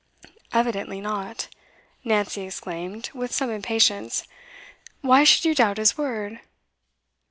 'Evidently not!' Nancy exclaimed, with some impatience. 'Why should you doubt his word?